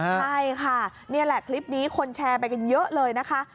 ใช่ค่ะนี่แหละคลิปนี้คนแชร์ไปกันเยอะเลยนะคะ